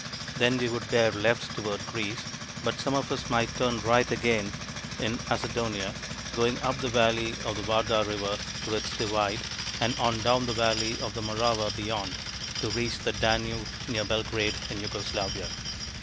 Then we would bear left toward Greece, but some of us might turn right again in Macedonia, going up the valley of the Vardar River to its divide and on down the valley of the Morava beyond, to reach the Danube near Belgrade in Jugoslavia.